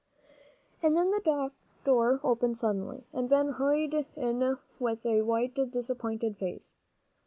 And then the door opened suddenly, and Ben hurried in with a white, disappointed face.